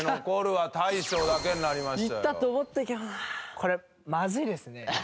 これまずいですね。